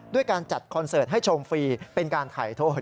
การจัดคอนเสิร์ตให้ชมฟรีเป็นการถ่ายโทษ